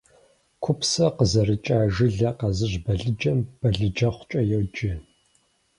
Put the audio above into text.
Купсэ къызэрыкӏа, жылэ къэзыщӏ балыджэм балыджэхъукӏэ йоджэ.